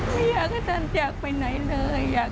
ไม่อยากให้ท่านจากไปไหนเลย